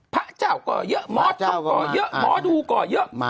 พระเจ้าก็เยอะหมอเจ้าก็เยอะหมอดูก็เยอะ